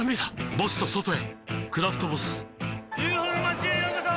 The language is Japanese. ボスと外へ「クラフトボス」ＵＦＯの町へようこそ！